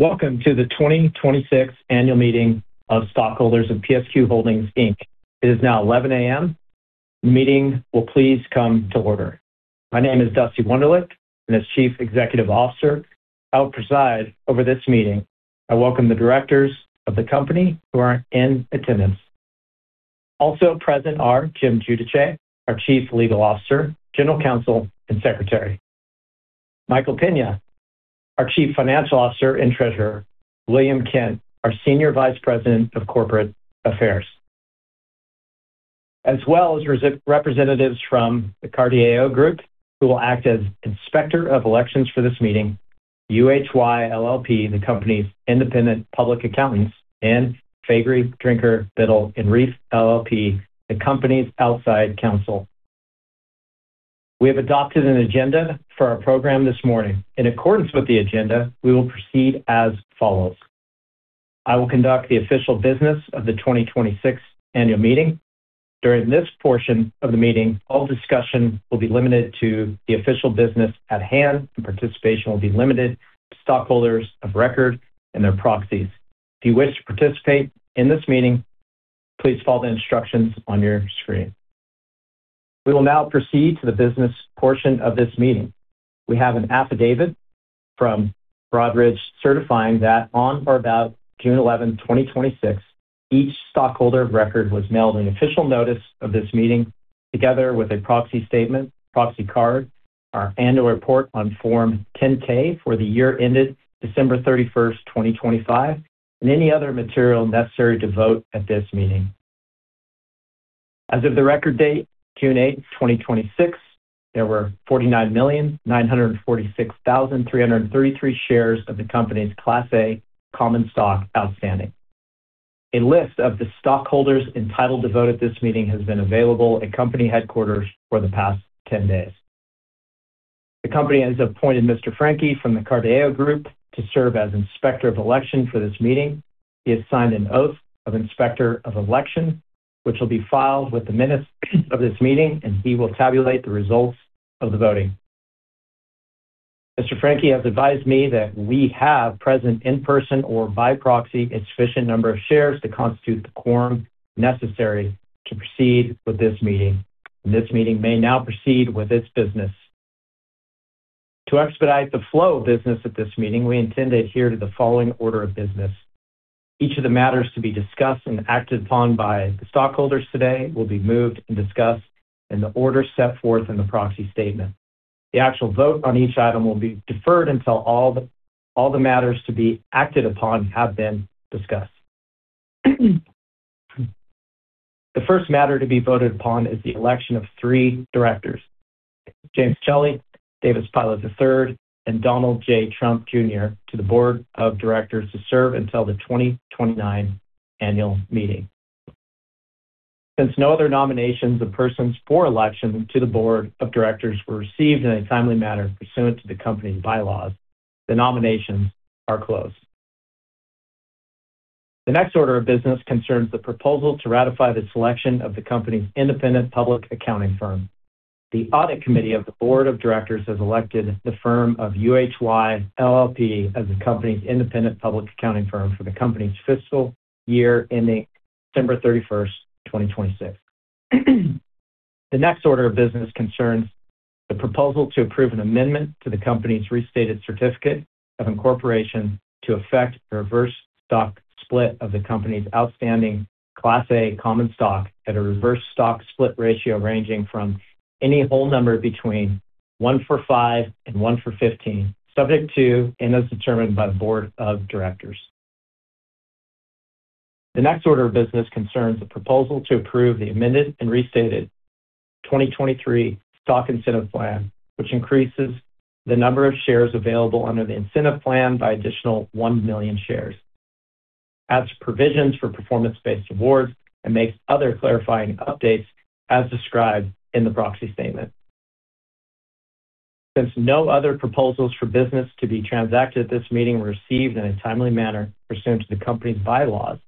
Welcome to the 2026 Annual Meeting of Stockholders of PSQ Holdings, Inc. It is now 11:00 A.M. The meeting will please come to order. My name is Dusty Wunderlich, and as Chief Executive Officer, I will preside over this meeting. I welcome the directors of the company who are in attendance. Also present are Jim Giudice, our Chief Legal Officer, General Counsel, and Secretary. Michael Pena, our Chief Financial Officer and Treasurer. William Kent, our Senior Vice President of Corporate Affairs. As well as representatives from The Carideo Group, who will act as Inspector of Elections for this meeting, UHY LLP, the company's independent public accountants, and Faegre Drinker Biddle & Reath LLP, the company's outside counsel. We have adopted an agenda for our program this morning. In accordance with the agenda, we will proceed as follows. I will conduct the official business of the 2026 annual meeting. During this portion of the meeting, all discussion will be limited to the official business at hand, and participation will be limited to stockholders of record and their proxies. If you wish to participate in this meeting, please follow the instructions on your screen. We will now proceed to the business portion of this meeting. We have an affidavit from Broadridge certifying that on or about June 11, 2026, each stockholder of record was mailed an official notice of this meeting, together with a proxy statement, proxy card, our annual report on Form 10-K for the year ended December 31, 2025, and any other material necessary to vote at this meeting. As of the record date, June 8, 2026, there were 49,946,333 shares of the company's Class A common stock outstanding. A list of the stockholders entitled to vote at this meeting has been available at company headquarters for the past 10 days. The company has appointed Mr. Franke from The Carideo Group to serve as Inspector of Election for this meeting. He has signed an oath of Inspector of Election, which will be filed with the minutes of this meeting, and he will tabulate the results of the voting. Mr. Franke has advised me that we have present in person or by proxy a sufficient number of shares to constitute the quorum necessary to proceed with this meeting, and this meeting may now proceed with its business. To expedite the flow of business at this meeting, we intend to adhere to the following order of business. Each of the matters to be discussed and acted upon by the stockholders today will be moved and discussed in the order set forth in the proxy statement. The actual vote on each item will be deferred until all the matters to be acted upon have been discussed. The first matter to be voted upon is the election of three directors, James Celli, Davis Pilot III, and Donald J. Trump Jr. to the board of directors to serve until the 2029 annual meeting. Since no other nominations of persons for election to the board of directors were received in a timely manner pursuant to the company's bylaws, the nominations are closed. The next order of business concerns the proposal to ratify the selection of the company's independent public accounting firm. The audit committee of the board of directors has elected the firm of UHY LLP as the company's independent public accounting firm for the company's fiscal year ending December 31st, 2026. The next order of business concerns the proposal to approve an amendment to the company's restated certificate of incorporation to effect a reverse stock split of the company's outstanding Class A common stock at a reverse stock split ratio ranging from any whole number between 1:5 and 1:15, subject to and as determined by the board of directors. The next order of business concerns the proposal to approve the amended and restated 2023 stock incentive plan, which increases the number of shares available under the incentive plan by additional 1 million shares, adds provisions for performance-based awards, and makes other clarifying updates as described in the proxy statement. Since no other proposals for business to be transacted at this meeting were received in a timely manner pursuant to the company's bylaws,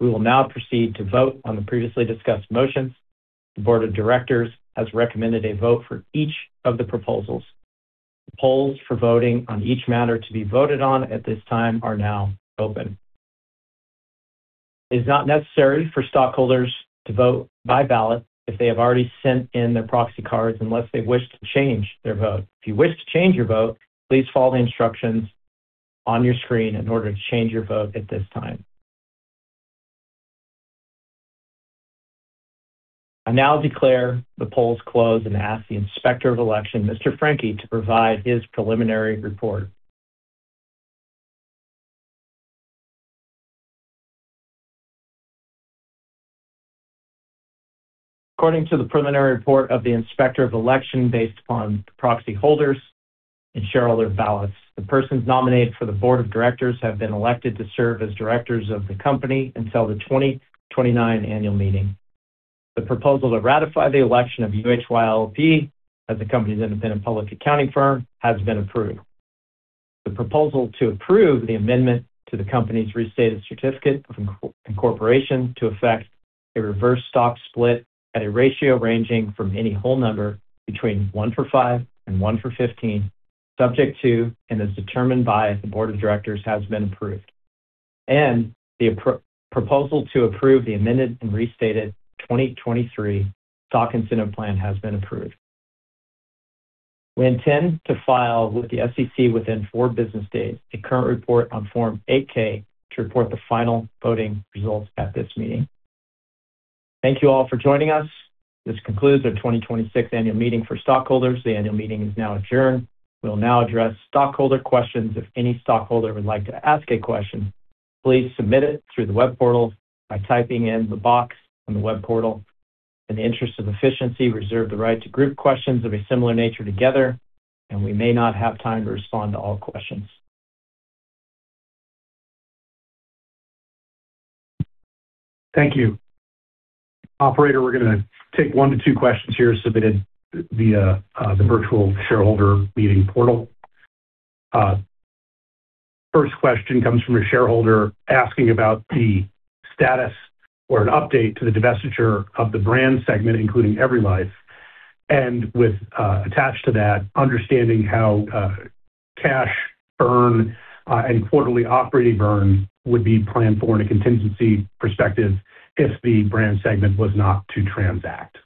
we will now proceed to vote on the previously discussed motions. The board of directors has recommended a vote for each of the proposals. The polls for voting on each matter to be voted on at this time are now open. It is not necessary for stockholders to vote by ballot if they have already sent in their proxy cards unless they wish to change their vote. If you wish to change your vote, please follow the instructions on your screen in order to change your vote at this time. I now declare the polls closed and ask the Inspector of Election, Mr. Franke, to provide his preliminary report. According to the preliminary report of the Inspector of Election based upon the proxy holders and shareholder ballots, the persons nominated for the board of directors have been elected to serve as directors of the company until the 2029 annual meeting. The proposal to ratify the election of UHY LLP as the company's independent public accounting firm has been approved. The proposal to approve the amendment to the company's restated certificate of incorporation to effect a reverse stock split at a ratio ranging from any whole number between 1:5 and 1:15, subject to and as determined by the board of directors, has been approved. The proposal to approve the amended and restated 2023 stock incentive plan has been approved. We intend to file with the SEC within four business days, a current report on Form 8-K to report the final voting results at this meeting. Thank you all for joining us. This concludes our 2026 annual meeting for stockholders. The annual meeting is now adjourned. We'll now address stockholder questions. If any stockholder would like to ask a question, please submit it through the web portal by typing in the box on the web portal. In the interest of efficiency, we reserve the right to group questions of a similar nature together, and we may not have time to respond to all questions. Thank you. Operator, we're going to take one to two questions here submitted via the virtual shareholder meeting portal. First question comes from a shareholder asking about the status or an update to the divestiture of the brand segment, including EveryLife, and with attached to that, understanding how cash burn and quarterly operating burn would be planned for in a contingency perspective if the brand segment was not to transact.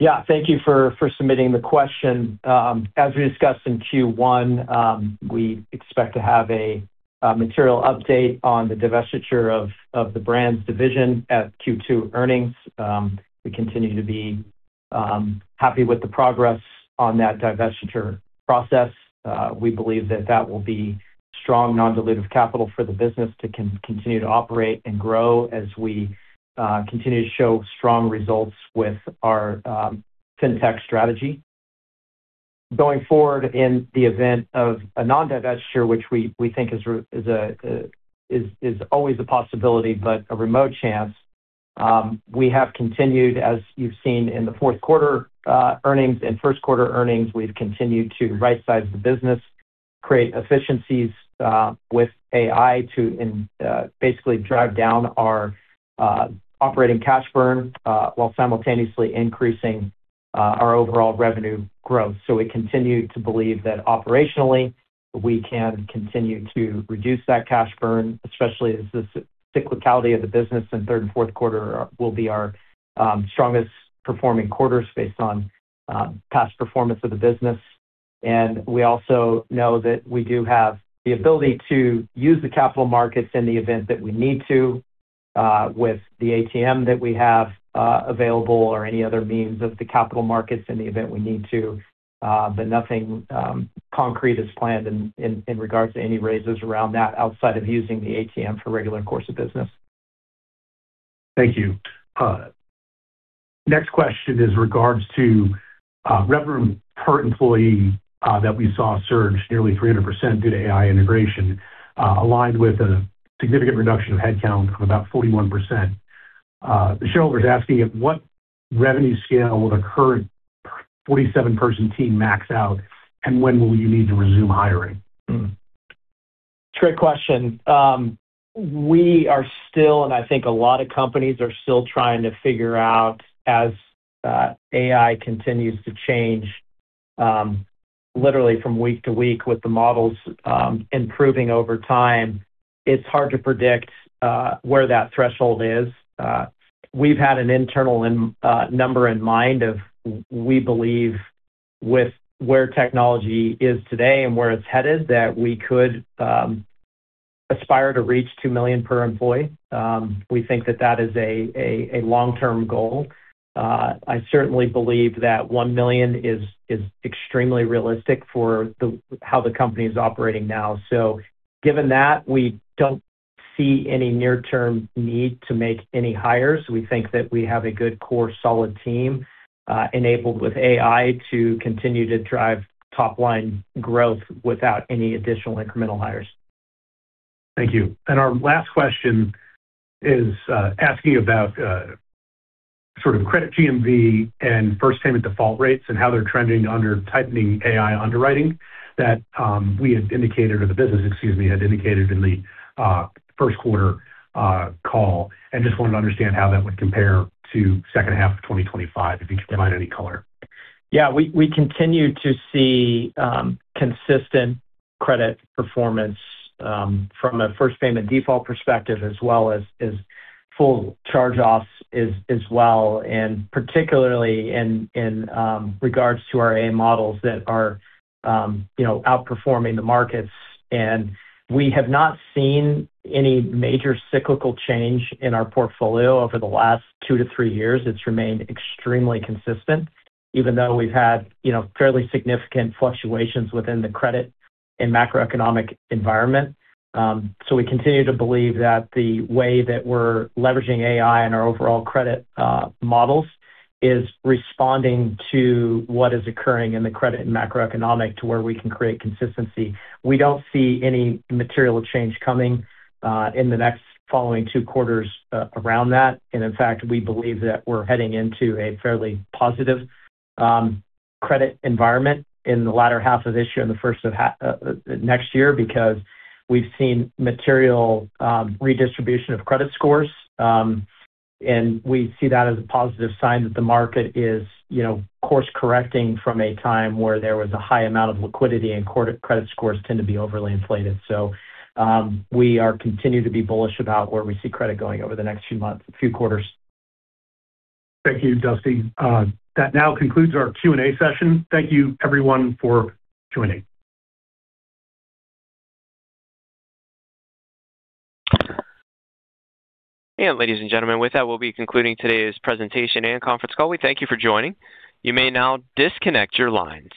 Yeah. Thank you for submitting the question. As we discussed in Q1, we expect to have a material update on the divestiture of the brands division at Q2 earnings. We continue to be happy with the progress on that divestiture process. We believe that that will be strong non-dilutive capital for the business to continue to operate and grow as we continue to show strong results with our FinTech strategy. Going forward, in the event of a non-divesture, which we think is always a possibility, a remote chance, we have continued, as you've seen in the fourth quarter earnings and first quarter earnings, to rightsize the business, create efficiencies with AI to basically drive down our operating cash burn while simultaneously increasing our overall revenue growth. We continue to believe that operationally, we can continue to reduce that cash burn, especially as the cyclicality of the business in third and fourth quarter will be our strongest performing quarters based on past performance of the business. We also know that we do have the ability to use the capital markets in the event that we need to with the ATM that we have available or any other means of the capital markets in the event we need to. Nothing concrete is planned in regards to any raises around that outside of using the ATM for regular course of business. Thank you. Next question is regards to revenue per employee that we saw surge nearly 300% due to AI integration aligned with a significant reduction of headcount of about 41%. The shareholder's asking, at what revenue scale would a current 47 person team max out, and when will you need to resume hiring? Trick question. We are still, and I think a lot of companies are still trying to figure out as AI continues to change literally from week to week with the models improving over time, it's hard to predict where that threshold is. We've had an internal number in mind of, we believe with where technology is today and where it's headed, that we could aspire to reach $2 million per employee. We think that that is a long-term goal. I certainly believe that 1 million is extremely realistic for how the company is operating now. Given that, we don't see any near-term need to make any hires. We think that we have a good core, solid team enabled with AI to continue to drive top-line growth without any additional incremental hires. Thank you. Our last question is asking about sort of credit GMV and first payment default rates and how they're trending under tightening AI underwriting that we had indicated or the business, excuse me, had indicated in the first quarter call, and just wanted to understand how that would compare to second half of 2025, if you could provide any color. Yeah. We continue to see consistent credit performance from a first payment default perspective as well as full charge-offs as well, and particularly in regards to our AI models that are outperforming the markets. We have not seen any major cyclical change in our portfolio over the last two to three years. It's remained extremely consistent, even though we've had fairly significant fluctuations within the credit and macroeconomic environment. We continue to believe that the way that we're leveraging AI and our overall credit models is responding to what is occurring in the credit and macroeconomic to where we can create consistency. We don't see any material change coming in the next following two quarters around that. In fact, we believe that we're heading into a fairly positive credit environment in the latter half of this year and the first of next year because we've seen material redistribution of credit scores. We see that as a positive sign that the market is course correcting from a time where there was a high amount of liquidity and credit scores tend to be overly inflated. We are continuing to be bullish about where we see credit going over the next few months, few quarters. Thank you, Dusty. That now concludes our Q&A session. Thank you everyone for joining. Ladies and gentlemen, with that we'll be concluding today's presentation and conference call. We thank you for joining. You may now disconnect your lines.